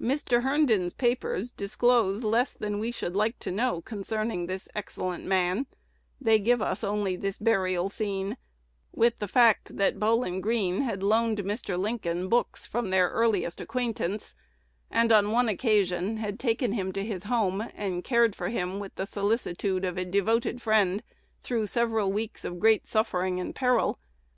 Mr. Herndon's papers disclose less than we should like to know concerning this excellent man: they give us only this burial scene, with the fact that Bowlin Greene had loaned Mr. Lincoln books from their earliest acquaintance, and on one occasion had taken him to his home, and cared for him with the solicitude of a devoted friend through several weeks of great suffering and peril.